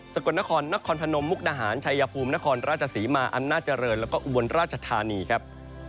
สะกดนคอนนคอนพนท์มมุกในหานชายพุมนคอนราชสิกสีมะอันน่าเจริญแล้วก็อุวลราชธานีครับ